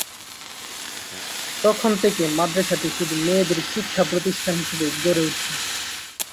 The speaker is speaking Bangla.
তখন থেকে মাদ্রাসাটি শুধু মেয়েদের শিক্ষা প্রতিষ্ঠান হিসাবে গড়ে ওঠে।